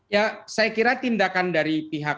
ya saya kira tindakan dari pihak